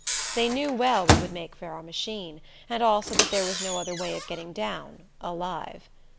They knew well we would make for our machine, and also that there was no other way of getting down alive.